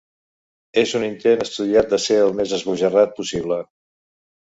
És un intent estudiat de ser al més esbojarrat possible.